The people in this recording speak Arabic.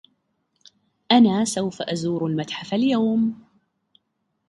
أنا سوف ازور المتحف اليوم.